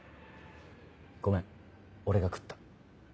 ごめん俺が食った。